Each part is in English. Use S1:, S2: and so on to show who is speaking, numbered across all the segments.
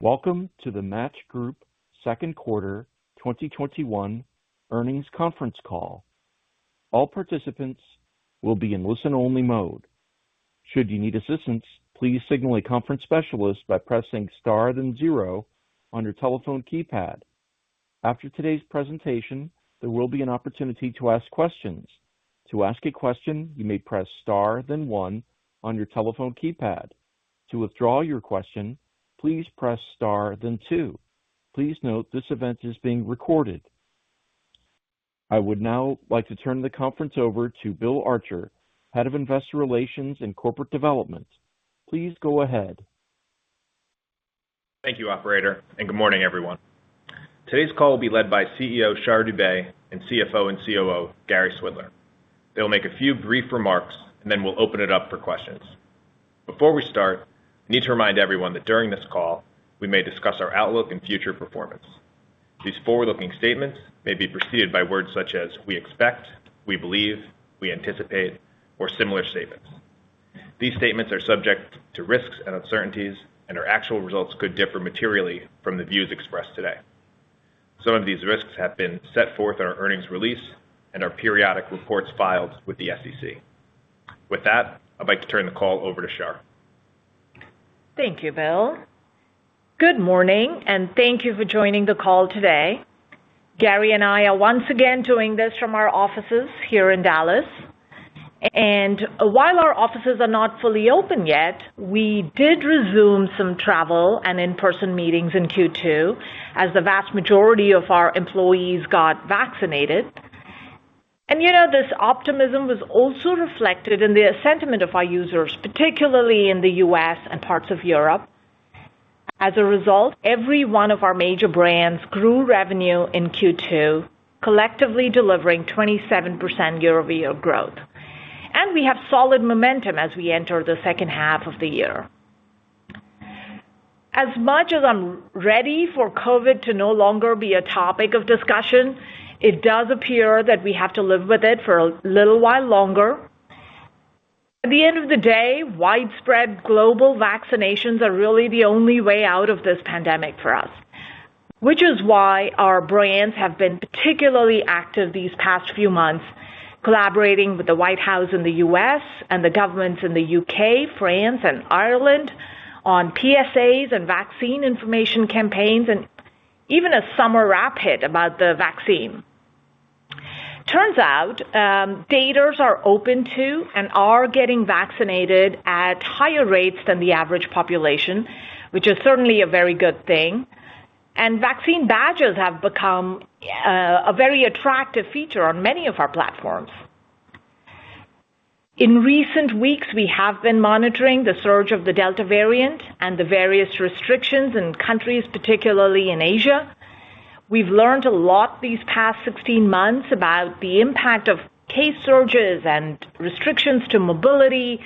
S1: Welcome to the Match Group Second Quarter 2021 Earnings Conference Call. All participants will be in listen-only mode. Should you need assistance, please signal a conference specialist by pressing star then zero on your telephone keypad. After today's presentation, there will be an opportunity to ask questions. To ask a question, you may press star then one on your telephone keypad. To withdraw your question, please press star then two. Please note this event is being recorded. I would now like to turn the conference over to Bill Archer, Head of Investor Relations and Corporate Development. Please go ahead.
S2: Thank you, operator. Good morning, everyone. Today's call will be led by CEO Shar Dubey and CFO and COO Gary Swidler. They'll make a few brief remarks and then we'll open it up for questions. Before we start, I need to remind everyone that during this call, we may discuss our outlook and future performance. These forward-looking statements may be preceded by words such as "we expect," "we believe," "we anticipate," or similar statements. These statements are subject to risks and uncertainties, and our actual results could differ materially from the views expressed today. Some of these risks have been set forth in our earnings release and our periodic reports filed with the SEC. With that, I'd like to turn the call over to Shar.
S3: Thank you, Bill. Good morning, and thank you for joining the call today. Gary and I are once again doing this from our offices here in Dallas. While our offices are not fully open yet, we did resume some travel and in-person meetings in Q2 as the vast majority of our employees got vaccinated. This optimism was also reflected in the sentiment of our users, particularly in the U.S. and parts of Europe. As a result, every one of our major brands grew revenue in Q2, collectively delivering 27% year-over-year growth. We have solid momentum as we enter the second half of the year. As much as I'm ready for COVID to no longer be a topic of discussion, it does appear that we have to live with it for a little while longer. At the end of the day, widespread global vaccinations are really the only way out of this pandemic for us, which is why our brands have been particularly active these past few months, collaborating with the White House in the U.S. and the governments in the U.K., France, and Ireland on PSAs and vaccine information campaigns, and even a summer rap hit about the vaccine. Turns out, daters are open to and are getting vaccinated at higher rates than the average population, which is certainly a very good thing. Vaccine badges have become a very attractive feature on many of our platforms. In recent weeks, we have been monitoring the surge of the Delta variant and the various restrictions in countries, particularly in Asia. We've learned a lot these past 16 months about the impact of case surges and restrictions to mobility,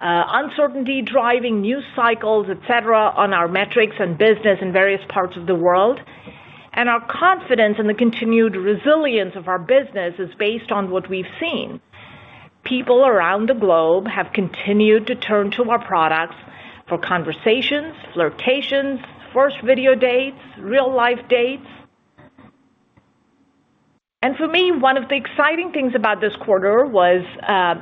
S3: uncertainty driving news cycles, et cetera, on our metrics and business in various parts of the world. Our confidence in the continued resilience of our business is based on what we've seen. People around the globe have continued to turn to our products for conversations, flirtations, first video dates, real-life dates. For me, one of the exciting things about this quarter was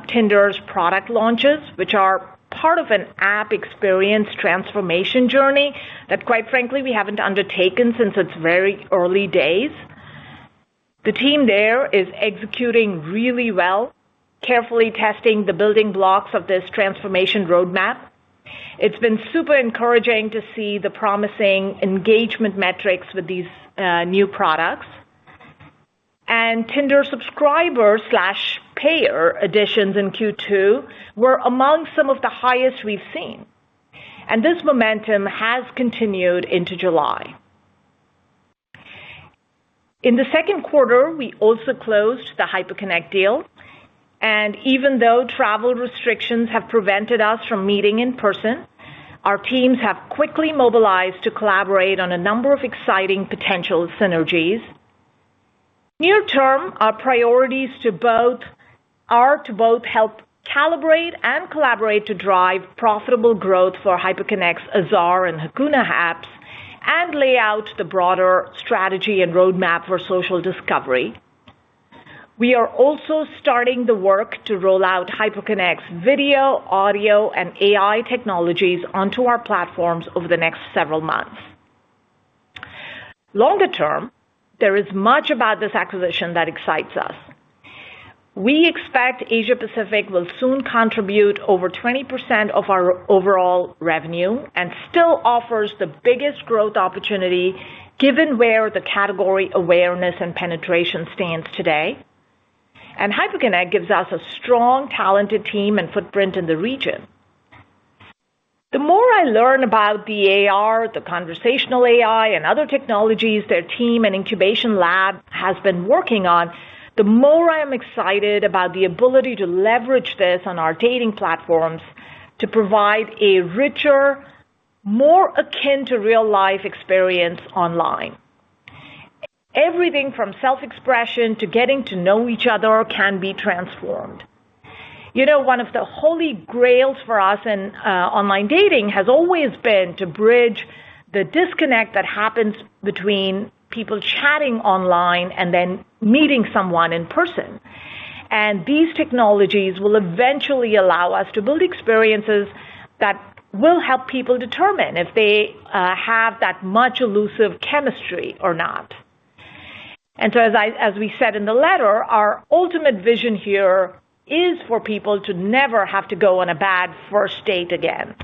S3: Tinder's product launches, which are part of an app experience transformation journey that quite frankly, we haven't undertaken since its very early days. The team there is executing really well, carefully testing the building blocks of this transformation roadmap. It's been super encouraging to see the promising engagement metrics with these new products. Tinder subscriber/payer additions in Q2 were among some of the highest we've seen. This momentum has continued into July. In the second quarter, we also closed the Hyperconnect deal, and even though travel restrictions have prevented us from meeting in person, our teams have quickly mobilized to collaborate on a number of exciting potential synergies. Near term, our priorities are to both help calibrate and collaborate to drive profitable growth for Hyperconnect's Azar and Hakuna apps and lay out the broader strategy and roadmap for social discovery. We are also starting the work to roll out Hyperconnect's video, audio, and AI technologies onto our platforms over the next several months. Longer term, there is much about this acquisition that excites us. We expect Asia-Pacific will soon contribute over 20% of our overall revenue and still offers the biggest growth opportunity given where the category awareness and penetration stands today. Hyperconnect gives us a strong, talented team and footprint in the region. The more I learn about the AR, the conversational AI, and other technologies their team and incubation lab has been working on, the more I'm excited about the ability to leverage this on our dating platforms to provide a richer, more akin to real-life experience online. Everything from self-expression to getting to know each other can be transformed. One of the holy grails for us in online dating has always been to bridge the disconnect that happens between people chatting online and then meeting someone in person. These technologies will eventually allow us to build experiences that will help people determine if they have that much elusive chemistry or not. As we said in the letter, our ultimate vision here is for people to never have to go on a bad first date again.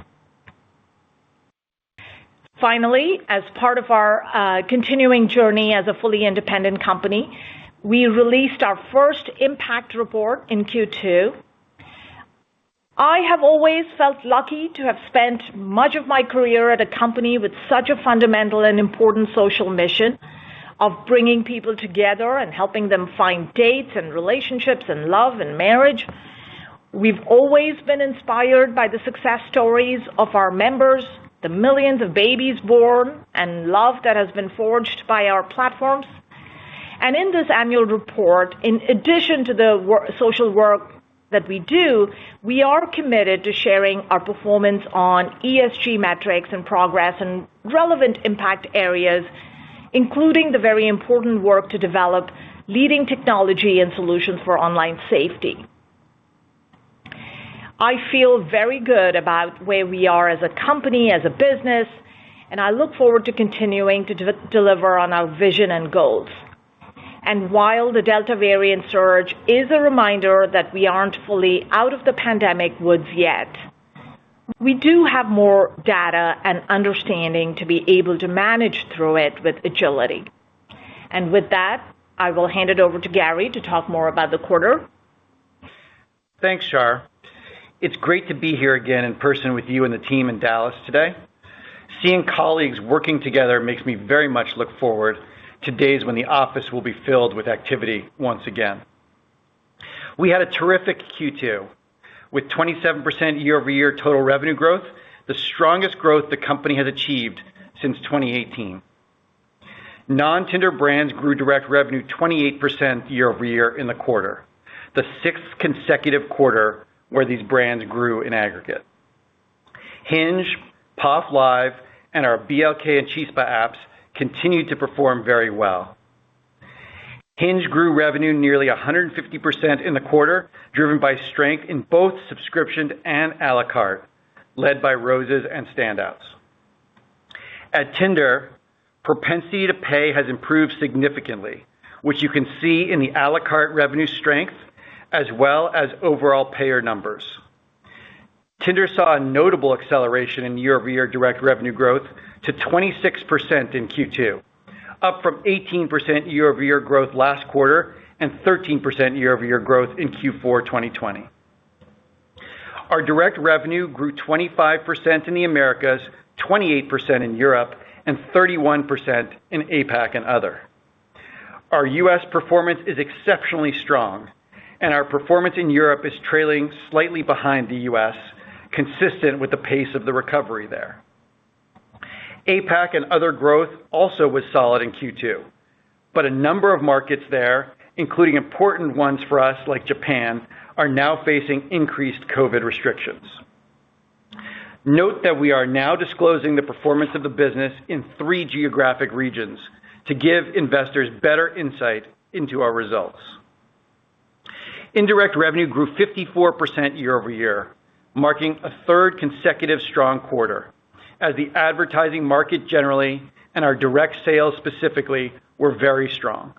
S3: Finally, as part of our continuing journey as a fully independent company, we released our first impact report in Q2. I have always felt lucky to have spent much of my career at a company with such a fundamental and important social mission of bringing people together and helping them find dates and relationships and love and marriage. We've always been inspired by the success stories of our members, the millions of babies born, and love that has been forged by our platforms. In this annual report, in addition to the social work that we do, we are committed to sharing our performance on ESG metrics and progress in relevant impact areas, including the very important work to develop leading technology and solutions for online safety. I feel very good about where we are as a company, as a business. I look forward to continuing to deliver on our vision and goals. While the Delta variant surge is a reminder that we aren't fully out of the pandemic woods yet, we do have more data and understanding to be able to manage through it with agility. With that, I will hand it over to Gary to talk more about the quarter.
S4: Thanks, Shar. It's great to be here again in person with you and the team in Dallas today. Seeing colleagues working together makes me very much look forward to days when the office will be filled with activity once again. We had a terrific Q2 with 27% year-over-year total revenue growth, the strongest growth the company has achieved since 2018. Non-Tinder brands grew direct revenue 28% year-over-year in the quarter, the sixth consecutive quarter where these brands grew in aggregate. Hinge, POF Live, and our BLK and Chispa apps continued to perform very well. Hinge grew revenue nearly 150% in the quarter, driven by strength in both subscription and a la carte, led by Roses and Standouts. At Tinder, propensity to pay has improved significantly, which you can see in the a la carte revenue strength, as well as overall payer numbers. Tinder saw a notable acceleration in year-over-year direct revenue growth to 26% in Q2, up from 18% year-over-year growth last quarter and 13% year-over-year growth in Q4 2020. Our direct revenue grew 25% in the Americas, 28% in Europe, and 31% in APAC and other. Our U.S. performance is exceptionally strong, and our performance in Europe is trailing slightly behind the U.S., consistent with the pace of the recovery there. APAC and other growth also was solid in Q2, but a number of markets there, including important ones for us like Japan, are now facing increased COVID restrictions. Note that we are now disclosing the performance of the business in three geographic regions to give investors better insight into our results. Indirect revenue grew 54% year-over-year, marking a third consecutive strong quarter, as the advertising market generally and our direct sales specifically were very strong.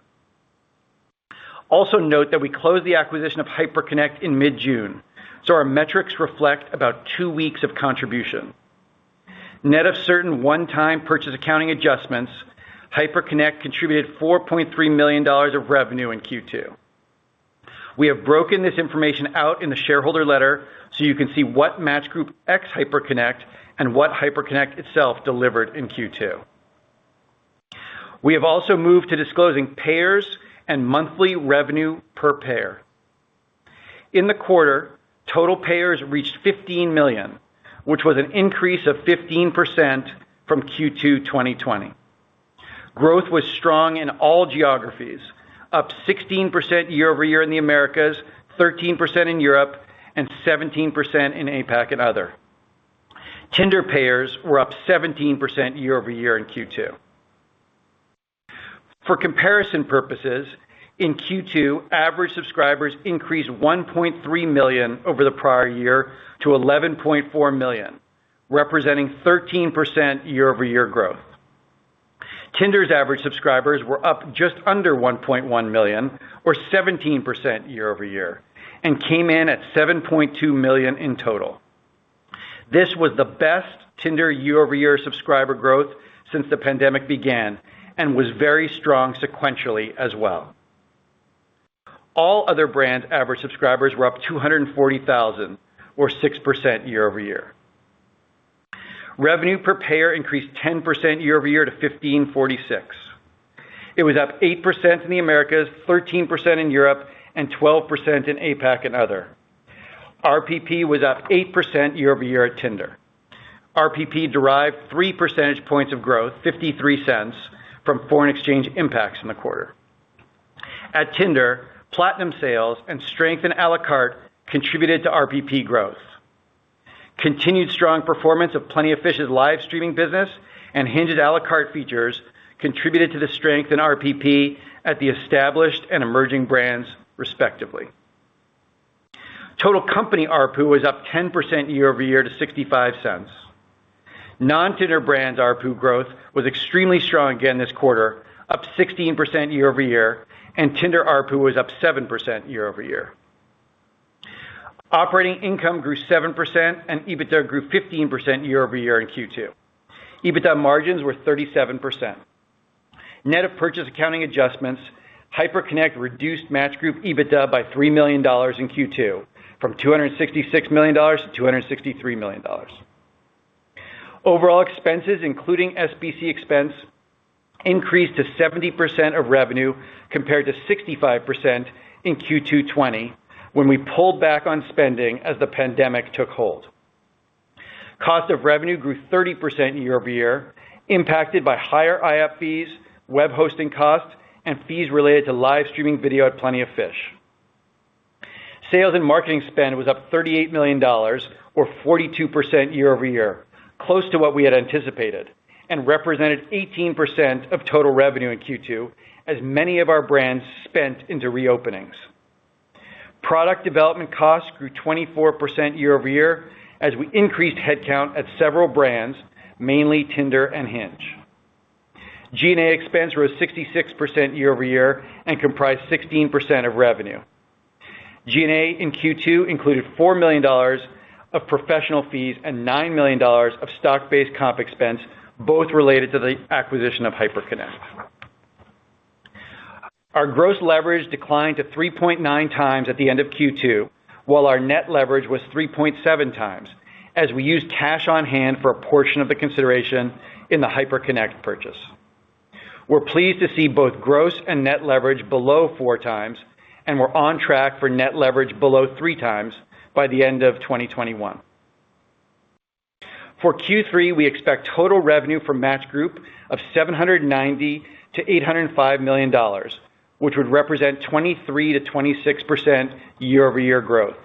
S4: Also note that we closed the acquisition of Hyperconnect in mid-June, so our metrics reflect about 2 weeks of contribution. Net of certain one-time purchase accounting adjustments, Hyperconnect contributed $4.3 million of revenue in Q2. We have broken this information out in the shareholder letter so you can see what Match Group ex Hyperconnect and what Hyperconnect itself delivered in Q2. We have also moved to disclosing Payers and monthly revenue per payer. In the quarter, total Payers reached 15 million, which was an increase of 15% from Q2 2020. Growth was strong in all geographies, up 16% year-over-year in the Americas, 13% in Europe, and 17% in APAC and other. Tinder Payers were up 17% year-over-year in Q2. For comparison purposes, in Q2, average subscribers increased 1.3 million over the prior year to 11.4 million, representing 13% year-over-year growth. Tinder's average subscribers were up just under 1.1 million, or 17% year-over-year, and came in at 7.2 million in total. This was the best Tinder year-over-year subscriber growth since the pandemic began and was very strong sequentially as well. All other brands' average subscribers were up 240,000, or 6% year-over-year. Revenue per payer increased 10% year-over-year to $15.46. It was up 8% in the Americas, 13% in Europe, and 12% in APAC and other. RPP was up 8% year-over-year at Tinder. RPP derived 3 percentage points of growth, $0.53, from foreign exchange impacts in the quarter. At Tinder, Platinum sales and strength in a la carte contributed to RPP growth. Continued strong performance of Plenty of Fish's live streaming business and Hinge's a la carte features contributed to the strength in RPP at the established and emerging brands respectively. Total company ARPU was up 10% year-over-year to $0.65. Non-Tinder brands ARPU growth was extremely strong again this quarter, up 16% year-over-year, and Tinder ARPU was up 7% year-over-year. Operating income grew 7% and EBITDA grew 15% year-over-year in Q2. EBITDA margins were 37%. Net of purchase accounting adjustments, Hyperconnect reduced Match Group EBITDA by $3 million in Q2 from $266 million to $263 million. Overall expenses, including SBC expense, increased to 70% of revenue compared to 65% in Q2 2020, when we pulled back on spending as the pandemic took hold. Cost of revenue grew 30% year-over-year, impacted by higher IAP fees, web hosting costs, and fees related to live streaming video at Plenty of Fish. Sales and marketing spend was up $38 million or 42% year-over-year, close to what we had anticipated, and represented 18% of total revenue in Q2, as many of our brands spent into reopenings. Product development costs grew 24% year-over-year as we increased headcount at several brands, mainly Tinder and Hinge. G&A expense rose 66% year-over-year and comprised 16% of revenue. G&A in Q2 included $4 million of professional fees and $9 million of stock-based comp expense, both related to the acquisition of Hyperconnect. Our gross leverage declined to 3.9 times at the end of Q2, while our net leverage was 3.7 times, as we used cash on hand for a portion of the consideration in the Hyperconnect purchase. We're pleased to see both gross and net leverage below 4 times, we're on track for net leverage below 3 times by the end of 2021. For Q3, we expect total revenue for Match Group of $790 million-$805 million, which would represent 23%-26% year-over-year growth.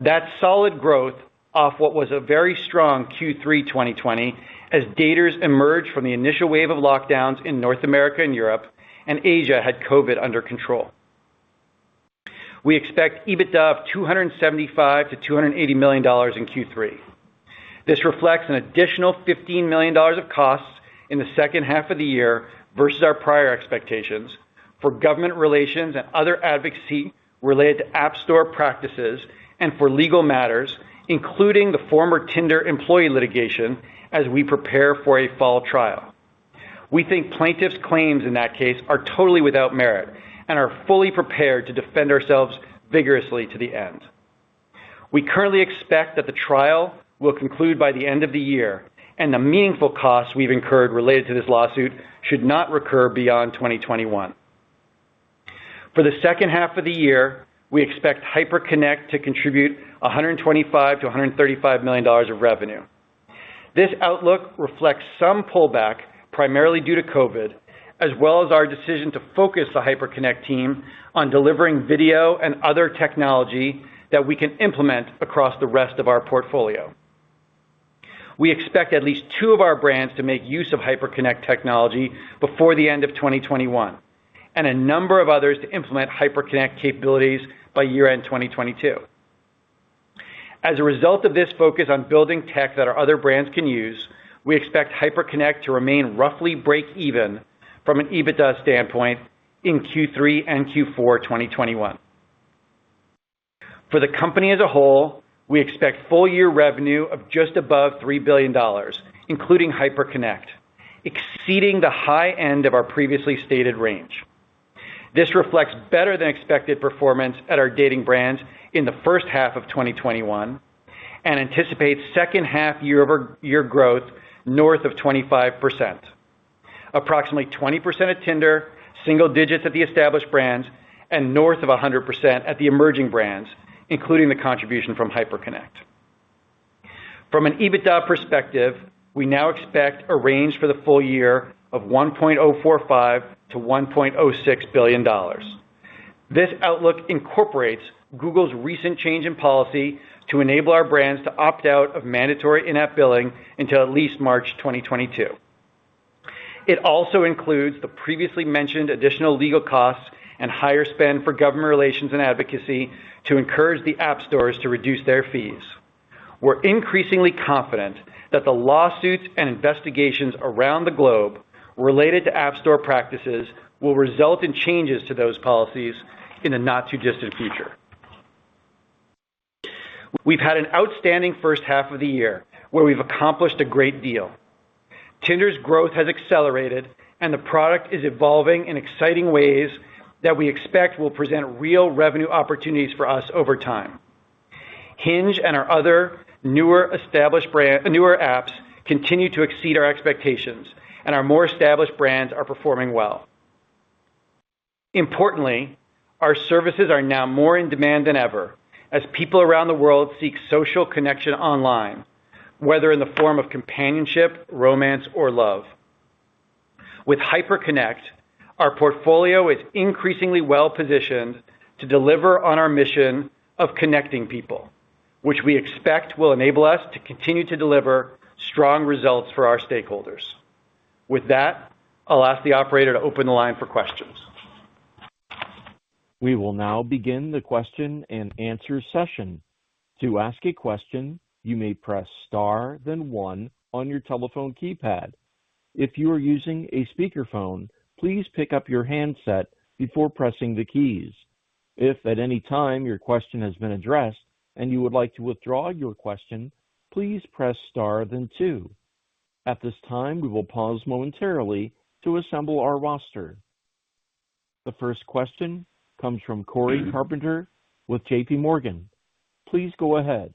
S4: That's solid growth off what was a very strong Q3 2020, as daters emerged from the initial wave of lockdowns in North America and Europe, Asia had COVID under control. We expect EBITDA of $275 million-$280 million in Q3. This reflects an additional $15 million of costs in the second half of the year versus our prior expectations for government relations and other advocacy related to app store practices and for legal matters, including the former Tinder employee litigation as we prepare for a fall trial. We think plaintiffs' claims in that case are totally without merit and are fully prepared to defend ourselves vigorously to the end. We currently expect that the trial will conclude by the end of the year, and the meaningful costs we've incurred related to this lawsuit should not recur beyond 2021. For the second half of the year, we expect Hyperconnect to contribute $125 million-$135 million of revenue. This outlook reflects some pullback primarily due to COVID, as well as our decision to focus the Hyperconnect team on delivering video and other technology that we can implement across the rest of our portfolio. We expect at least two of our brands to make use of Hyperconnect technology before the end of 2021, and a number of others to implement Hyperconnect capabilities by year-end 2022. As a result of this focus on building tech that our other brands can use, we expect Hyperconnect to remain roughly break even from an EBITDA standpoint in Q3 and Q4 2021. For the company as a whole, we expect full year revenue of just above $3 billion, including Hyperconnect, exceeding the high end of our previously stated range. This reflects better than expected performance at our dating brands in the first half of 2021 and anticipates second half year-over-year growth north of 25%. Approximately 20% at Tinder, single digits at the established brands, and north of 100% at the emerging brands, including the contribution from Hyperconnect. From an EBITDA perspective, we now expect a range for the full year of $1.045 billion to $1.06 billion. This outlook incorporates Google's recent change in policy to enable our brands to opt out of mandatory in-app billing until at least March 2022. It also includes the previously mentioned additional legal costs and higher spend for government relations and advocacy to encourage the app stores to reduce their fees. We're increasingly confident that the lawsuits and investigations around the globe related to app store practices will result in changes to those policies in the not too distant future. We've had an outstanding first half of the year where we've accomplished a great deal. Tinder's growth has accelerated, and the product is evolving in exciting ways that we expect will present real revenue opportunities for us over time. Hinge and our other newer apps continue to exceed our expectations, and our more established brands are performing well. Importantly, our services are now more in demand than ever as people around the world seek social connection online, whether in the form of companionship, romance, or love. With Hyperconnect, our portfolio is increasingly well-positioned to deliver on our mission of connecting people, which we expect will enable us to continue to deliver strong results for our stakeholders. With that, I'll ask the operator to open the line for questions.
S1: We will now begin the question and answer session. To ask a question, you may press star then one on your telephone keypad. If you are using a speakerphone, please pick up your handset before pressing the keys. If at any time your question has been addressed and you would like to withdraw your question, please press star then two. At this time, we will pause momentarily to assemble our roster. The first question comes from Cory Carpenter with JPMorgan. Please go ahead.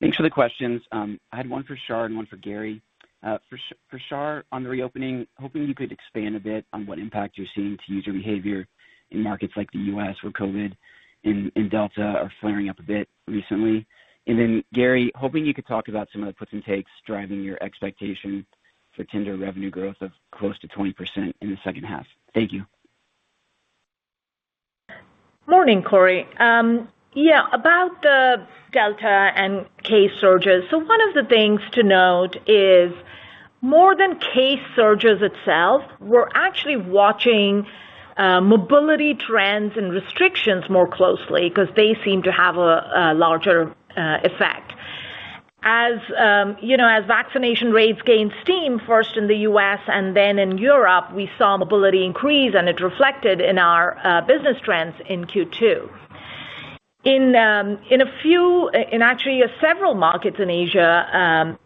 S5: Thanks for the questions. I had one for Shar and one for Gary. For Shar, on the reopening, hoping you could expand a bit on what impact you're seeing to user behavior in markets like the U.S. where COVID and Delta are flaring up a bit recently. Gary, hoping you could talk about some of the puts and takes driving your expectation for Tinder revenue growth of close to 20% in the second half. Thank you.
S3: Morning, Cory. About the Delta and case surges. One of the things to note is more than case surges itself, we're actually watching mobility trends and restrictions more closely because they seem to have a larger effect. As vaccination rates gained steam, first in the U.S. and then in Europe, we saw mobility increase, and it reflected in our business trends in Q2. In actually several markets in Asia,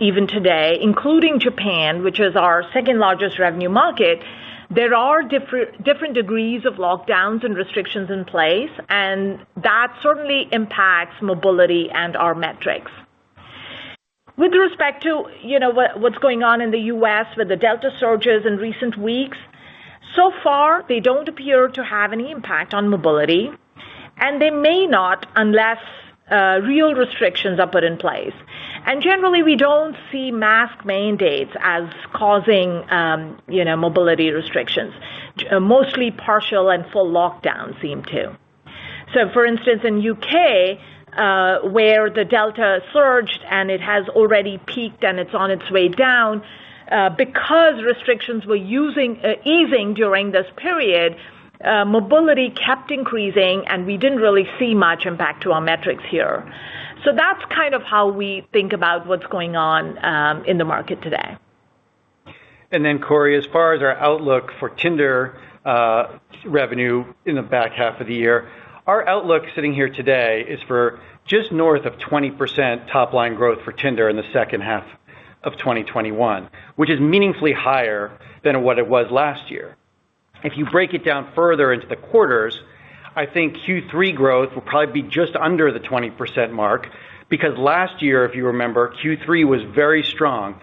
S3: even today, including Japan, which is our second-largest revenue market, there are different degrees of lockdowns and restrictions in place, and that certainly impacts mobility and our metrics. With respect to what's going on in the U.S. with the Delta surges in recent weeks, so far, they don't appear to have any impact on mobility, and they may not unless real restrictions are put in place. Generally, we don't see mask mandates as causing mobility restrictions. Mostly partial and full lockdowns seem to. For instance, in U.K., where the Delta surged and it has already peaked and it's on its way down, because restrictions were easing during this period, mobility kept increasing, and we didn't really see much impact to our metrics here. That's kind of how we think about what's going on in the market today.
S4: Cory, as far as our outlook for Tinder revenue in the back half of the year, our outlook sitting here today is for just north of 20% top-line growth for Tinder in the second half of 2021, which is meaningfully higher than what it was last year. If you break it down further into the quarters, I think Q3 growth will probably be just under the 20% mark because last year, if you remember, Q3 was very strong.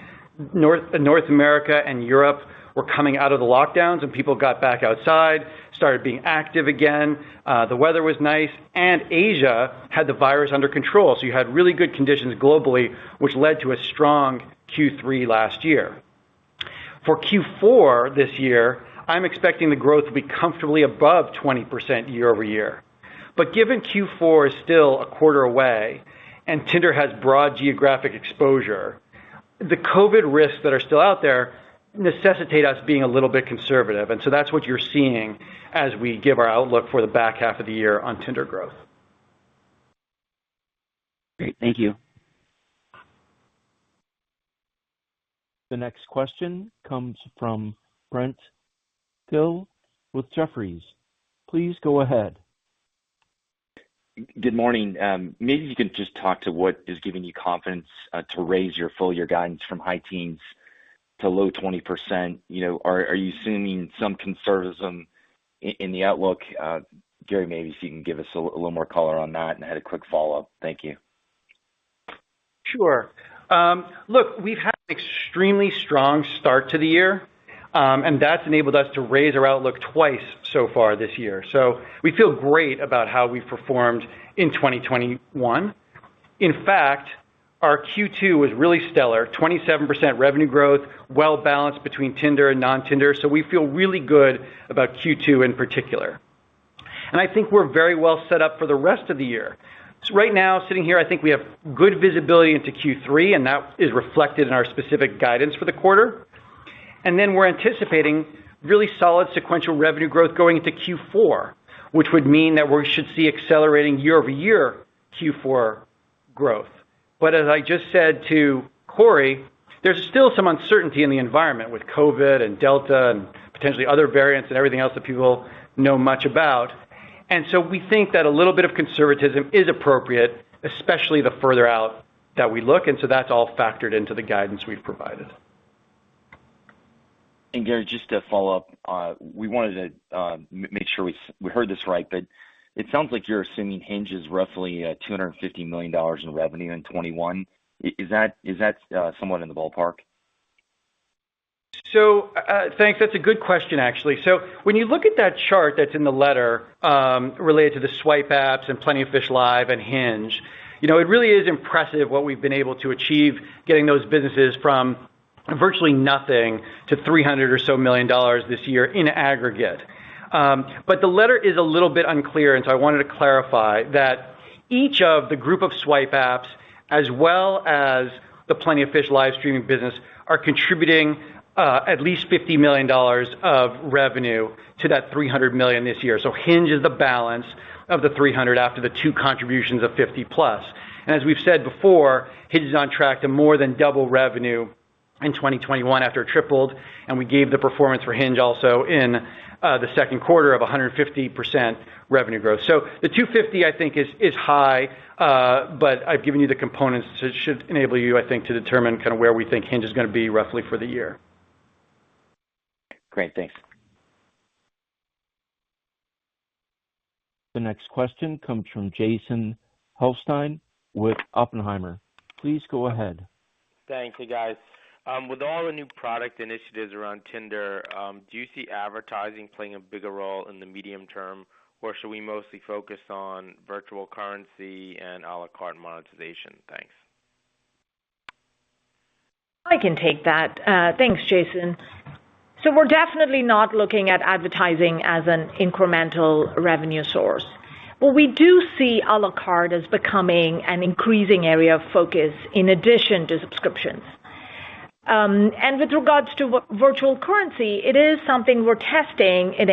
S4: North America and Europe were coming out of the lockdowns and people got back outside, started being active again. The weather was nice, and Asia had the virus under control. You had really good conditions globally, which led to a strong Q3 last year. For Q4 this year, I'm expecting the growth to be comfortably above 20% year-over-year. Given Q4 is still a quarter away and Tinder has broad geographic exposure, the COVID risks that are still out there necessitate us being a little bit conservative. That's what you're seeing as we give our outlook for the back half of the year on Tinder growth.
S5: Great. Thank you.
S1: The next question comes from Brent Thill with Jefferies. Please go ahead.
S6: Good morning. Maybe you can just talk to what is giving you confidence to raise your full year guidance from high teens to low 20%. Are you assuming some conservatism in the outlook? Gary, maybe if you can give us a little more color on that, and I had a quick follow-up. Thank you.
S4: Sure. Look, we've had an extremely strong start to the year, that's enabled us to raise our outlook twice so far this year. We feel great about how we've performed in 2021. In fact, our Q2 was really stellar, 27% revenue growth, well-balanced between Tinder and non-Tinder. We feel really good about Q2 in particular. I think we're very well set up for the rest of the year. Right now, sitting here, I think we have good visibility into Q3, that is reflected in our specific guidance for the quarter. We're anticipating really solid sequential revenue growth going into Q4, which would mean that we should see accelerating year-over-year Q4 growth. As I just said to Cory, there's still some uncertainty in the environment with COVID and Delta and potentially other variants and everything else that people know much about. We think that a little bit of conservatism is appropriate, especially the further out that we look. That's all factored into the guidance we've provided.
S6: Gary, just to follow up, we wanted to make sure we heard this right. It sounds like you're assuming Hinge is roughly $250 million in revenue in 2021. Is that somewhat in the ballpark?
S4: Thanks. That's a good question, actually. When you look at that chart that's in the letter related to the Swipe apps and Plenty of Fish Live and Hinge, it really is impressive what we've been able to achieve getting those businesses from virtually nothing to $300 or so million this year in aggregate. The letter is a little bit unclear I wanted to clarify that each of the group of Swipe apps as well as the Plenty of Fish live streaming business, are contributing at least $50 million of revenue to that $300 million this year. Hinge is the balance of the 300 after the two contributions of 50-plus. As we've said before, Hinge is on track to more than double revenue in 2021 after it tripled. We gave the performance for Hinge also in the second quarter of 150% revenue growth. The $250, I think is high, but I've given you the components, so it should enable you, I think, to determine where we think Hinge is going to be roughly for the year.
S6: Great. Thanks.
S1: The next question comes from Jason Helfstein with Oppenheimer. Please go ahead.
S7: Thanks. Hey, guys. With all the new product initiatives around Tinder, do you see advertising playing a bigger role in the medium term, or should we mostly focus on virtual currency and a la carte monetization? Thanks.
S3: I can take that. Thanks, Jason. We're definitely not looking at advertising as an incremental revenue source. We do see a la carte as becoming an increasing area of focus in addition to subscriptions. With regards to virtual currency, it is something we're testing in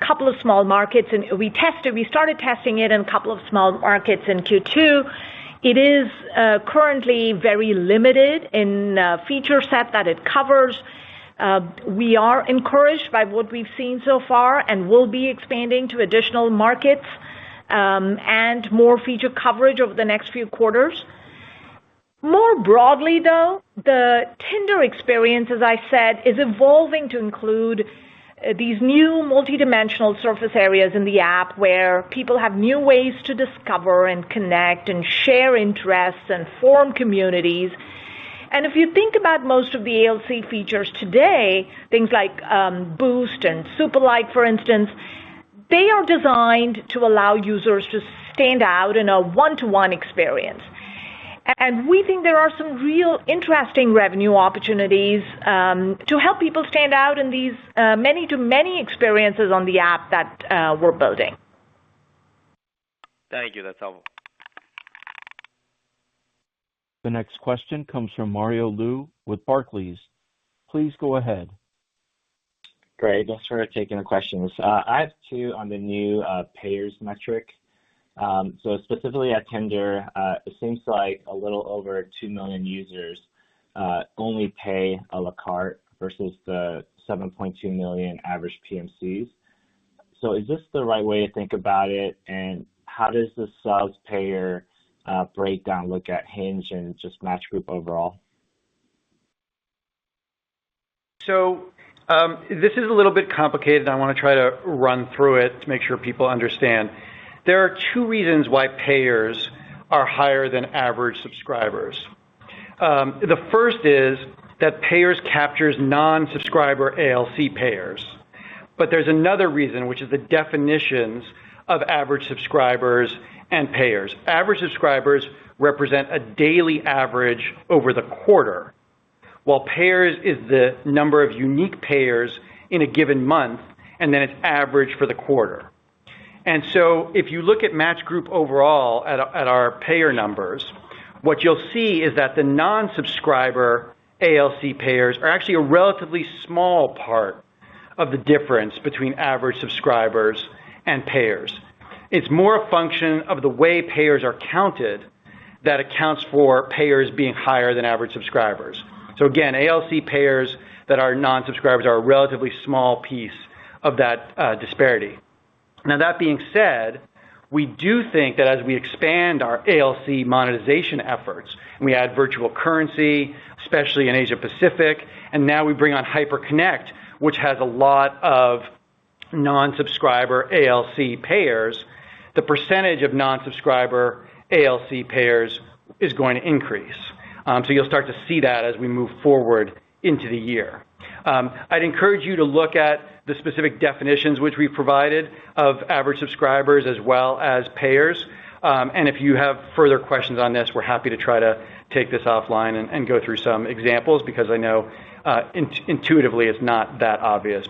S3: two small markets, and we started testing it in two small markets in Q2. It is currently very limited in the feature set that it covers. We are encouraged by what we've seen so far and will be expanding to additional markets, and more feature coverage over the next few quarters. More broadly, though, the Tinder experience, as I said, is evolving to include these new multidimensional surface areas in the app where people have new ways to discover and connect and share interests and form communities. If you think about most of the ALC features today, things like Boost and Super Like, for instance, they are designed to allow users to stand out in a one-to-one experience. We think there are some real interesting revenue opportunities to help people stand out in these many-to-many experiences on the app that we're building.
S7: Thank you. That's helpful.
S1: The next question comes from Mario Lu with Barclays. Please go ahead.
S8: Great. Thanks for taking the questions. I have two on the new Payers metric. Specifically at Tinder, it seems like a little over 2 million users only pay a la carte versus the 7.2 million average PMCs. Is this the right way to think about it? And how does the subs payer breakdown look at Hinge and just Match Group overall?
S4: This is a little bit complicated and I want to try to run through it to make sure people understand. There are two reasons why Payers are higher than average subscribers. The first is that Payers captures non-subscriber ALC Payers. There's another reason, which is the definitions of average subscribers and Payers. Average subscribers represent a daily average over the quarter, while Payers is the number of unique Payers in a given month, and then it's averaged for the quarter. If you look at Match Group overall at our payer numbers, what you'll see is that the non-subscriber ALC Payers are actually a relatively small part of the difference between average subscribers and Payers. It's more a function of the way Payers are counted that accounts for Payers being higher than average subscribers. Again, ALC Payers that are non-subscribers are a relatively small piece of that disparity. That being said, we do think that as we expand our ALC monetization efforts and we add virtual currency, especially in Asia-Pacific, and now we bring on Hyperconnect, which has a lot of non-subscriber ALC Payers, the percentage of non-subscriber ALC Payers is going to increase. You'll start to see that as we move forward into the year. I'd encourage you to look at the specific definitions which we've provided of average subscribers as well as Payers. If you have further questions on this, we're happy to try to take this offline and go through some examples, because I know intuitively it's not that obvious.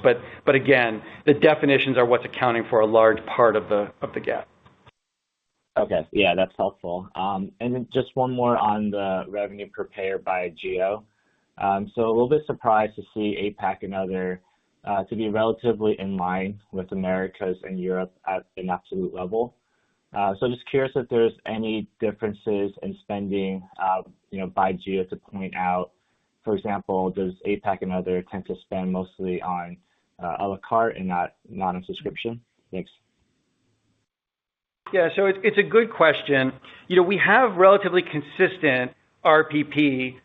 S4: Again, the definitions are what's accounting for a large part of the gap.
S8: Okay. Yeah, that's helpful. Just one more on the revenue per payer by geo. A little bit surprised to see APAC and other to be relatively in line with Americas and Europe at an absolute level. Just curious if there's any differences in spending by geo to point out, for example, does APAC and other tend to spend mostly on a la carte and not on subscription? Thanks.
S4: It's a good question. We have relatively consistent RPP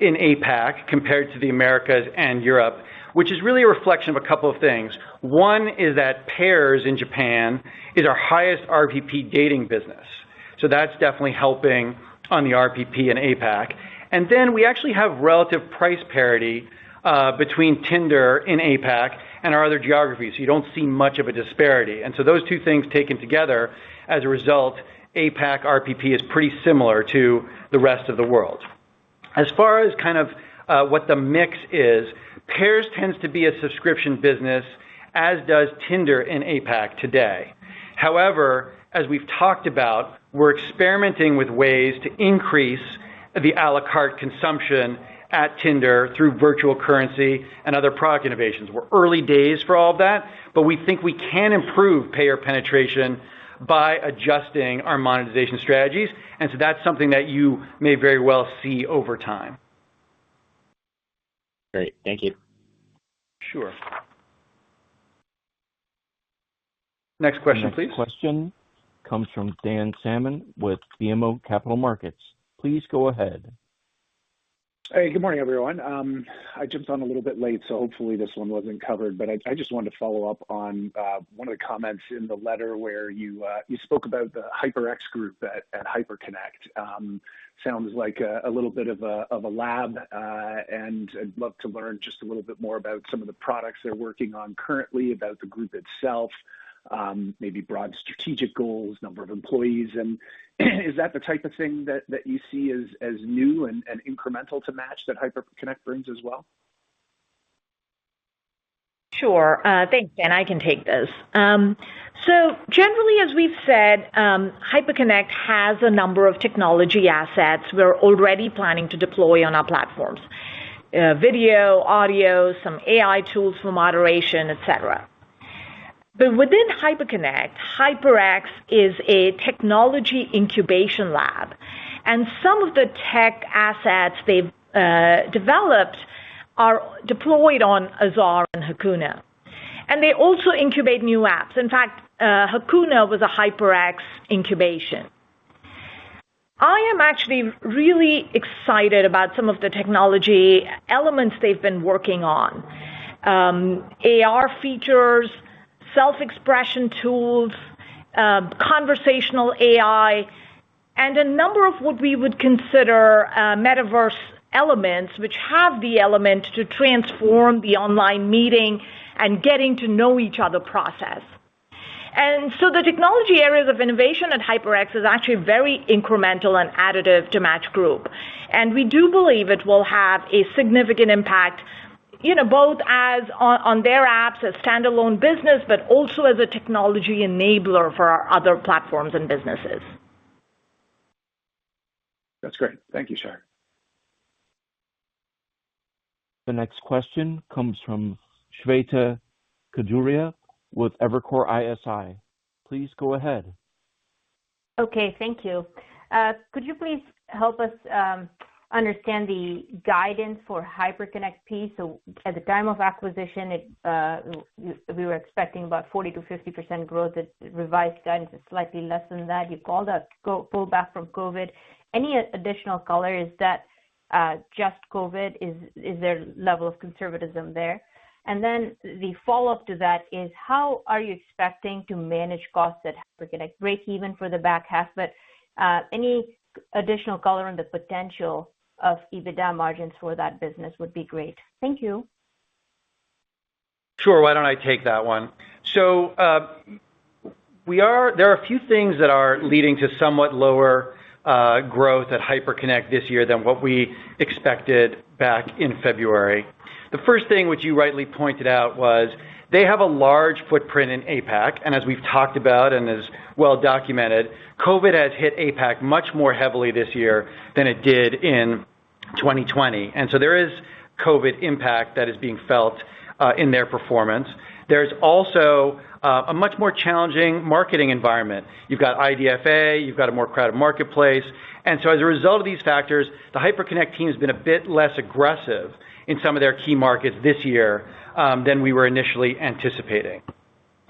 S4: in APAC compared to the Americas and Europe, which is really a reflection of a couple of things. One is that Pairs in Japan is our highest RPP dating business. That's definitely helping on the RPP in APAC. We actually have relative price parity between Tinder in APAC and our other geographies. You don't see much of a disparity. Those two things taken together as a result, APAC RPP is pretty similar to the rest of the world. As far as what the mix is, Pairs tends to be a subscription business, as does Tinder in APAC today. However, as we've talked about, we're experimenting with ways to increase the a la carte consumption at Tinder through virtual currency and other product innovations. We're early days for all of that, but we think we can improve payer penetration by adjusting our monetization strategies. That's something that you may very well see over time.
S8: Great. Thank you.
S4: Sure. Next question, please.
S1: The next question comes from Dan Salmon with BMO Capital Markets. Please go ahead.
S9: Hey, good morning, everyone. I jumped on a little bit late, so hopefully this one wasn't covered, but I just wanted to follow up on one of the comments in the letter where you spoke about the Hyperconnect group at Hyperconnect. Sounds like a little bit of a lab. I'd love to learn just a little bit more about some of the products they're working on currently, about the group itself, maybe broad strategic goals, number of employees, and is that the type of thing that you see as new and incremental to Match that Hyperconnect brings as well?
S3: Sure. Thanks, Dan. I can take this. Generally, as we've said, Hyperconnect has a number of technology assets we're already planning to deploy on our platforms: video, audio, some AI tools for moderation, et cetera. Within Hyperconnect, HyperX is a technology incubation lab, and some of the tech assets they've developed are deployed on Azar and Hakuna. Hakuna was a HyperX incubation. I am actually really excited about some of the technology elements they've been working on. AR features, self-expression tools, conversational AI, and a number of what we would consider metaverse elements, which have the element to transform the online meeting and getting-to-know-each-other process. The technology areas of innovation at HyperX is actually very incremental and additive to Match Group. We do believe it will have a significant impact, both on their apps as standalone business, but also as a technology enabler for our other platforms and businesses.
S9: That's great. Thank you, Shar.
S1: The next question comes from Shweta Khajuria with Evercore ISI. Please go ahead.
S10: Okay, thank you. Could you please help us understand the guidance for Hyperconnect piece? At the time of acquisition, we were expecting about 40%-50% growth. It revised guidance is slightly less than that. You pulled back from COVID. Any additional color, is that just COVID? Is there level of conservatism there? The follow-up to that is how are you expecting to manage costs at Hyperconnect, break even for the back half? Any additional color on the potential of EBITDA margins for that business would be great. Thank you.
S4: Sure. Why don't I take that one? There are a few things that are leading to somewhat lower growth at Hyperconnect this year than what we expected back in February. The first thing which you rightly pointed out was they have a large footprint in APAC, and as we've talked about and is well documented, COVID has hit APAC much more heavily this year than it did in 2020. There is COVID impact that is being felt in their performance. There's also a much more challenging marketing environment. You've got IDFA, you've got a more crowded marketplace. As a result of these factors, the Hyperconnect team has been a bit less aggressive in some of their key markets this year than we were initially anticipating.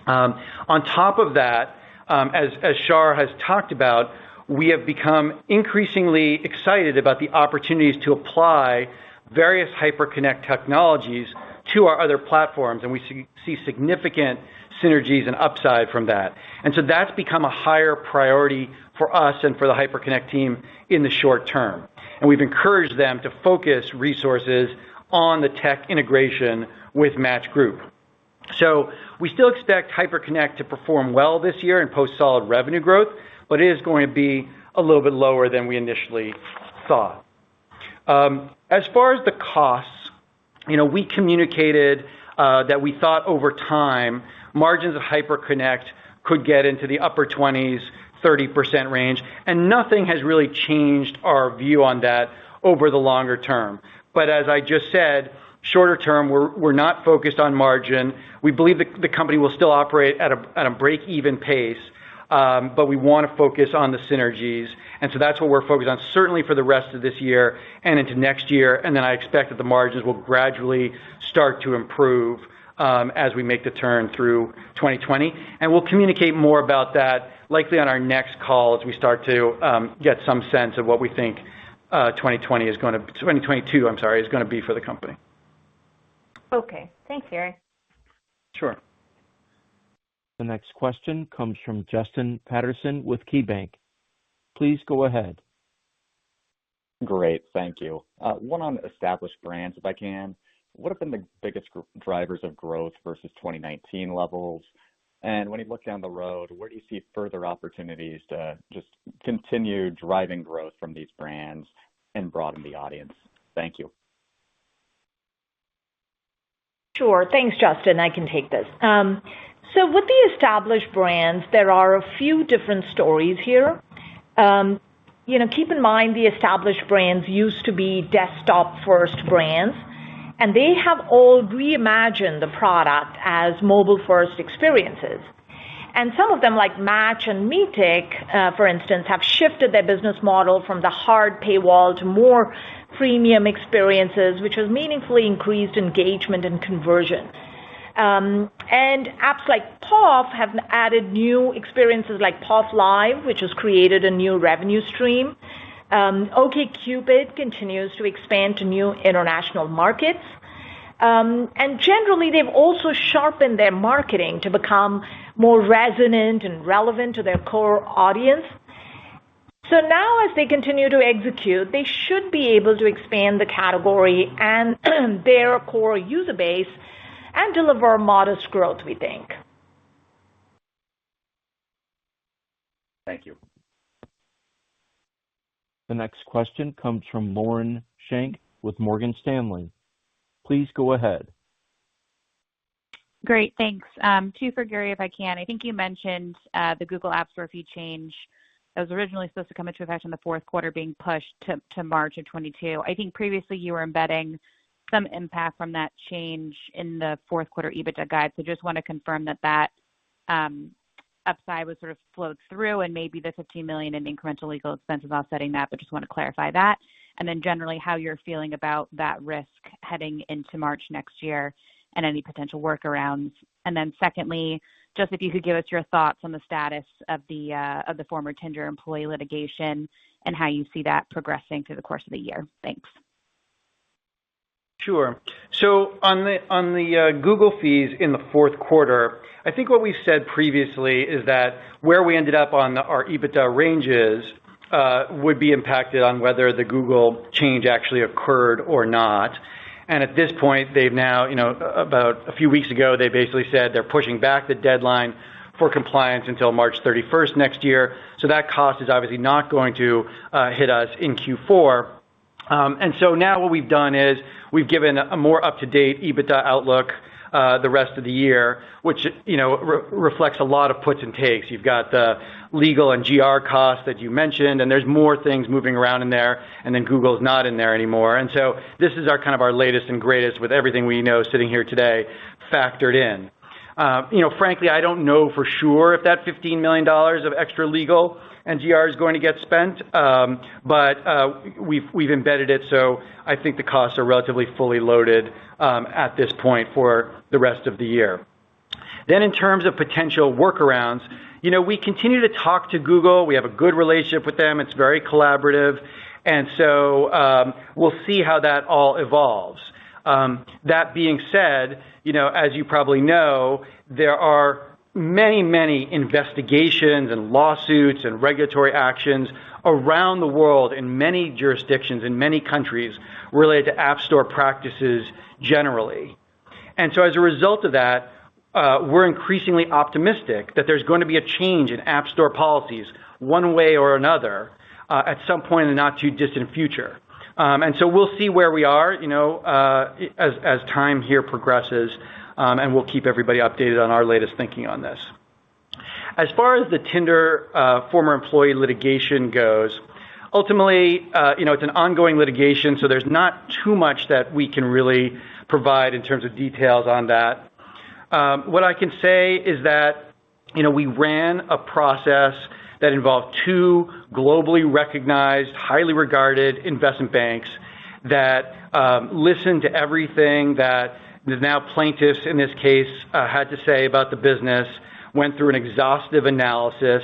S4: On top of that, as Shar has talked about, we have become increasingly excited about the opportunities to apply various Hyperconnect technologies to our other platforms, and we see significant synergies and upside from that. That's become a higher priority for us and for the Hyperconnect team in the short term. We've encouraged them to focus resources on the tech integration with Match Group. We still expect Hyperconnect to perform well this year and post solid revenue growth, but it is going to be a little bit lower than we initially thought. As far as the costs, we communicated that we thought over time, margins of Hyperconnect could get into the upper 20s, 30% range, and nothing has really changed our view on that over the longer term. As I just said, shorter term, we're not focused on margin. We believe the company will still operate at a break-even pace, we want to focus on the synergies. That's what we're focused on certainly for the rest of this year and into next year. I expect that the margins will gradually start to improve as we make the turn through 2020. We'll communicate more about that likely on our next call as we start to get some sense of what we think 2022 is going to be for the company.
S10: Okay. Thanks, Gary.
S4: Sure.
S1: The next question comes from Justin Patterson with KeyBanc. Please go ahead.
S11: Great. Thank you. One on established brands, if I can. What have been the biggest drivers of growth versus 2019 levels? When you look down the road, where do you see further opportunities to just continue driving growth from these brands and broaden the audience? Thank you.
S3: Sure. Thanks, Justin. I can take this. With the established brands, there are a few different stories here. Keep in mind, the established brands used to be desktop-first brands, and they have all reimagined the product as mobile-first experiences. Some of them, like Match and Meetic, for instance, have shifted their business model from the hard paywall to more freemium experiences, which has meaningfully increased engagement and conversion. Apps like POF have added new experiences like POF Live, which has created a new revenue stream. OkCupid continues to expand to new international markets. Generally, they've also sharpened their marketing to become more resonant and relevant to their core audience. Now, as they continue to execute, they should be able to expand the category and their core user base and deliver modest growth, we think.
S11: Thank you.
S1: The next question comes from Lauren Schenk with Morgan Stanley. Please go ahead.
S12: Great. Thanks. Two for Gary, if I can. I think you mentioned the Google App Store fee change that was originally supposed to come into effect in the fourth quarter being pushed to March of 2022. I think previously you were embedding some impact from that change in the fourth quarter EBITDA guide. Just want to confirm that upside was sort of flowed through and maybe the $15 million in incremental legal expenses offsetting that, but just want to clarify that. Generally, how you're feeling about that risk heading into March next year and any potential workarounds. Secondly, just if you could give us your thoughts on the status of the former Tinder employee litigation and how you see that progressing through the course of the year. Thanks.
S4: Sure. On the Google fees in the fourth quarter, I think what we said previously is that where we ended up on our EBITDA ranges would be impacted on whether the Google change actually occurred or not. At this point, about a few weeks ago, they basically said they're pushing back the deadline for compliance until March 31st next year. That cost is obviously not going to hit us in Q4. Now what we've done is we've given a more up-to-date EBITDA outlook the rest of the year, which reflects a lot of puts and takes. You've got the legal and GR costs that you mentioned, and there's more things moving around in there, and then Google's not in there anymore. This is our latest and greatest with everything we know sitting here today factored in. Frankly, I don't know for sure if that $15 million of extra legal and GR is going to get spent, but we've embedded it, so I think the costs are relatively fully loaded at this point for the rest of the year. In terms of potential workarounds, we continue to talk to Google. We have a good relationship with them. It's very collaborative. We'll see how that all evolves. That being said, as you probably know, there are many investigations and lawsuits and regulatory actions around the world in many jurisdictions, in many countries related to App Store practices generally. As a result of that, we're increasingly optimistic that there's going to be a change in App Store policies one way or another at some point in the not-too-distant future. We'll see where we are as time here progresses, and we'll keep everybody updated on our latest thinking on this. As far as the Tinder former employee litigation goes, ultimately, it's an ongoing litigation, so there's not too much that we can really provide in terms of details on that. What I can say is that we ran a process that involved two globally recognized, highly regarded investment banks that listened to everything that the now plaintiffs in this case had to say about the business, went through an exhaustive analysis,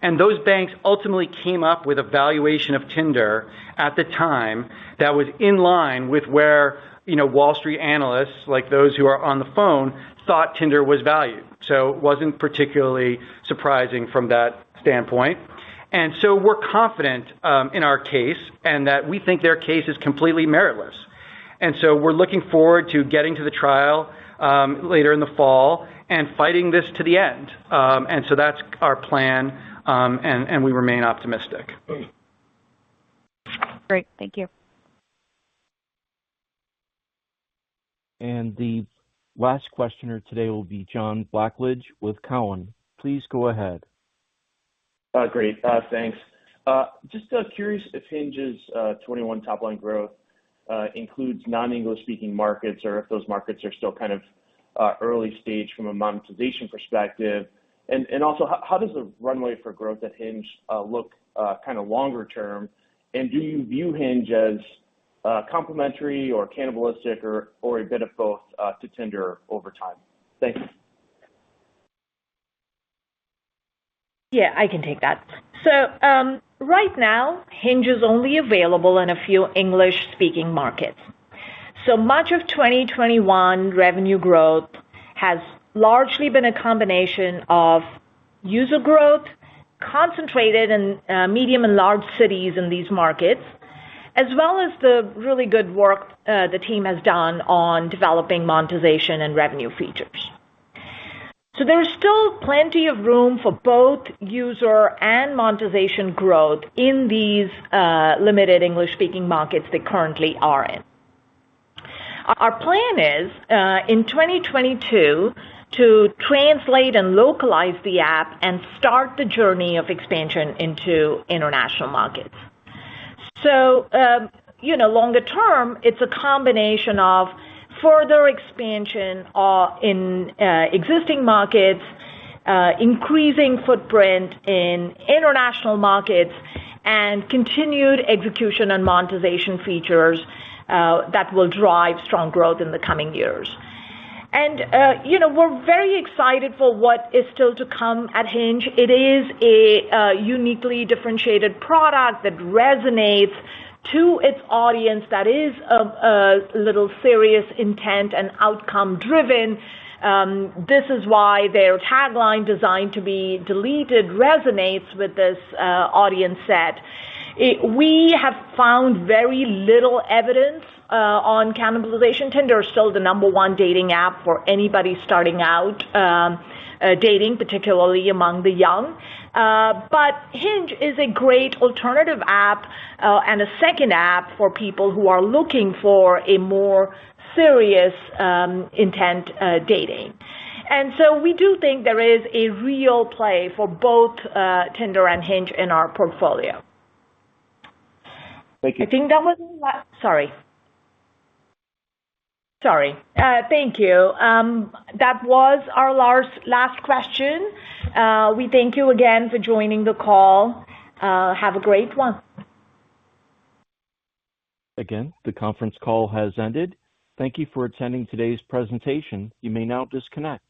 S4: and those banks ultimately came up with a valuation of Tinder at the time that was in line with where Wall Street analysts, like those who are on the phone, thought Tinder was valued. It wasn't particularly surprising from that standpoint. We're confident in our case and that we think their case is completely meritless. We're looking forward to getting to the trial later in the fall and fighting this to the end. That's our plan, and we remain optimistic.
S12: Great. Thank you.
S1: The last questioner today will be John Blackledge with Cowen. Please go ahead.
S13: Great. Thanks. Just curious if Hinge's 2021 top-line growth includes non-English speaking markets or if those markets are still kind of early stage from a monetization perspective. Also, how does the runway for growth at Hinge look kind of longer term? Do you view Hinge as complementary or cannibalistic or a bit of both to Tinder over time? Thanks.
S3: Yeah, I can take that. Right now, Hinge is only available in a few English-speaking markets. Much of 2021 revenue growth has largely been a combination of user growth concentrated in medium and large cities in these markets, as well as the really good work the team has done on developing monetization and revenue features. There's still plenty of room for both user and monetization growth in these limited English-speaking markets they currently are in. Our plan is, in 2022, to translate and localize the app and start the journey of expansion into international markets. Longer term, it's a combination of further expansion in existing markets, increasing footprint in international markets, and continued execution on monetization features that will drive strong growth in the coming years. We're very excited for what is still to come at Hinge. It is a uniquely differentiated product that resonates to its audience that is a little serious intent and outcome-driven. This is why their tagline, "Designed to be deleted," resonates with this audience set. We have found very little evidence on cannibalization. Tinder is still the number one dating app for anybody starting out dating, particularly among the young. Hinge is a great alternative app and a second app for people who are looking for a more serious intent dating. We do think there is a real play for both Tinder and Hinge in our portfolio.
S13: Thank you.
S3: Sorry. Thank you. That was our last question. We thank you again for joining the call. Have a great one.
S1: Again, the conference call has ended. Thank you for attending today's presentation. You may now disconnect.